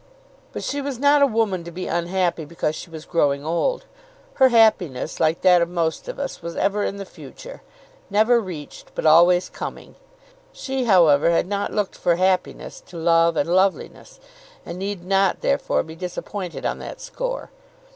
But she was not a woman to be unhappy because she was growing old. Her happiness, like that of most of us, was ever in the future, never reached but always coming. She, however, had not looked for happiness to love and loveliness, and need not therefore be disappointed on that score.